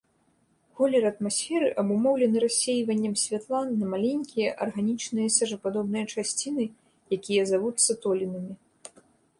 Колер атмасферы абумоўлены рассейваннем святла на маленькія арганічныя сажападобныя часціны, якія завуцца толінамі.